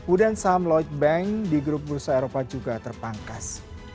uden sam lloyd bank di grup bursa eropa juga terpangkas